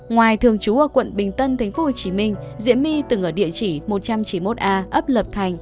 ngoài thường trú ở quận bình tân tp hcm diễm my từng ở địa chỉ một trăm chín mươi một a ấp lập thành